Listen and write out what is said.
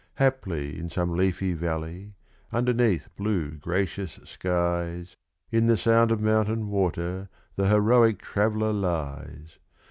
Haply in some leafy valley, underneath blue, gracious skies, In the sound of mountain water, the heroic traveller lies!